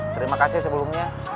terima kasih sebelumnya